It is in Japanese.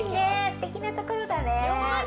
すてきなところだね。